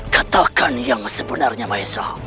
katakan yang sebenarnya maisa